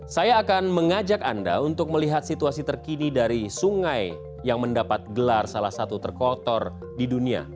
saya akan mengajak anda untuk melihat situasi terkini dari sungai yang mendapat gelar salah satu terkotor di dunia